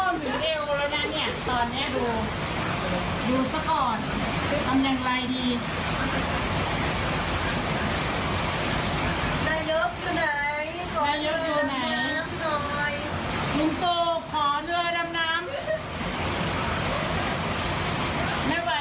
นายกอยู่ไหนขอเงินน้ำหน่อย